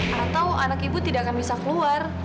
atau anak ibu tidak akan bisa keluar